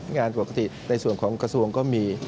งานปกติในส่วนของกระทรวงก็มี